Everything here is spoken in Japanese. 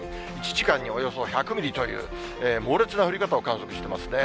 １時間におよそ１００ミリという猛烈な降り方を観測してますね。